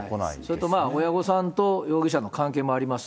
それと親御さんと容疑者の関係もあります。